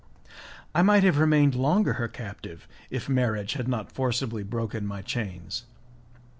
I might have remained longer her captive, if marriage had not forcibly broken my chains.